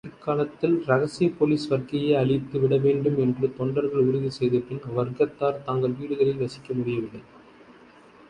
பிற்காலத்தில் இரகசியப் போலிஸ் வர்க்கத்தையே அழித்து விடவேண்டும் என்று தொண்டர்கள் உறுதி செய்தபின் அவ்வர்க்கத்தார் தங்கள் வீடுகளில் வசிக்கமுடியவில்லை.